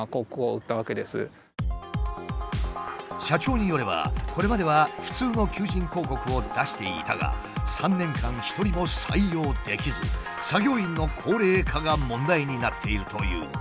社長によればこれまでは普通の求人広告を出していたが３年間一人も採用できず作業員の高齢化が問題になっているという。